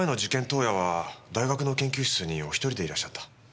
当夜は大学の研究室にお一人でいらっしゃった。